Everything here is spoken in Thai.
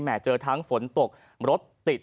เจอทั้งฝนตกรถติด